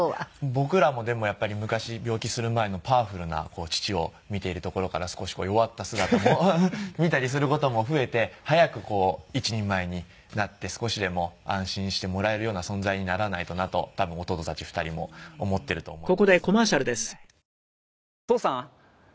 僕らもでもやっぱり昔病気する前のパワフルな父を見ているところから少し弱った姿も見たりする事も増えて早くこう一人前になって少しでも安心してもらえるような存在にならないとなと多分弟たち２人も思っていると思います。